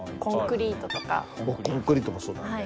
コンクリートもそうだね。